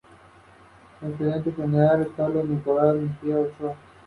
Casos emblemáticos fueron el chileno y el mexicano.